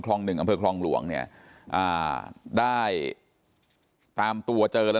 หนึ่งอำเภอคลองหลวงเนี่ยอ่าได้ตามตัวเจอแล้ว